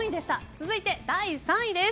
続いて第３位です。